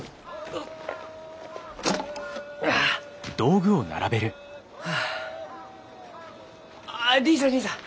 あっりんさんりんさん！